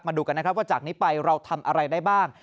ดูกันนะครับว่าจากนี้ไปเราทำอะไรได้บ้าง